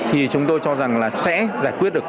thì chúng tôi cho rằng là sẽ giải quyết được